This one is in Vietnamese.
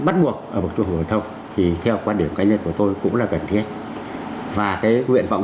bắt buộc ở một trường hội thông thì theo quan điểm cá nhân của tôi cũng là cần thiết và cái nguyện vọng